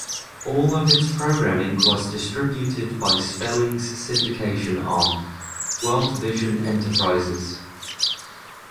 All of its programming was distributed by Spelling's syndication arm, Worldvision Enterprises.